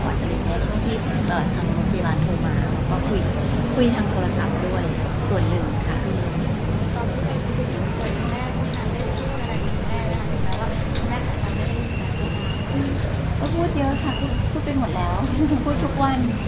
กับช่วงที่เดินทาง